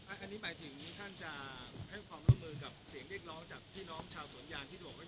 อันนี้หมายถึงท่านจะให้ความร่วมมือกับเสียงเรียกร้องจากพี่น้องชาวสวนยางที่บอกว่า